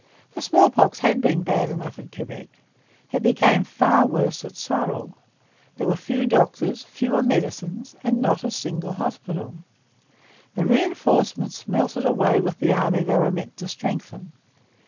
The smallpox had been bad enough at Quebec. It became far worse at Sorel. There were few doctors, fewer medicines, and not a single hospital. The reinforcements melted away with the army they were meant to strengthen.